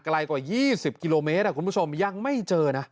ไกลกว่า๒๐กิโลเมตรคุณผู้ชมยังไม่เจอนะ